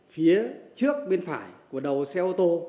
phía trước bên phải của đầu xe ô tô